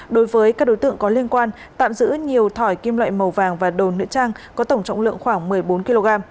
đối với các đối tượng có liên quan tạm giữ nhiều thỏi kim loại màu vàng và đồ nữ trang có tổng trọng lượng khoảng một mươi bốn kg